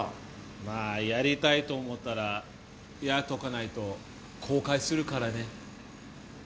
まぁやりたいと思ったらやっとかないと後悔するからね。